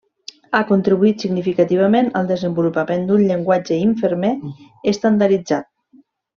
Ha contribuït significativament al desenvolupament d'un llenguatge infermer estandarditzat.